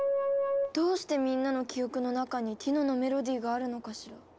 どうしてみんなの記憶の中にティノのメロディーがあるのかしら？